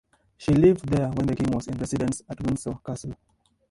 She lived there when the King was in residence at Windsor Castle.